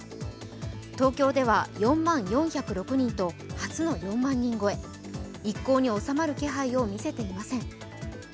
東京では４万４０６人と初の４万人超え一向に収まる気配をみせていません。